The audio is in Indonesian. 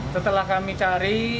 setelah kami cari